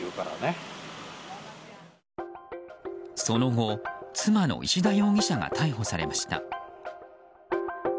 その後、妻の石田容疑者が逮捕されました。